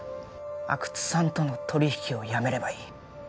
阿久津さんとの取引をやめればいい